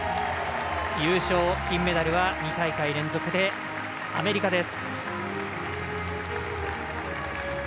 優勝、金メダルは２大会連続でアメリカです。